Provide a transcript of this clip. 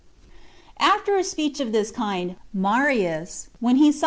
After a speech of this kind, Marius, when he saw chap.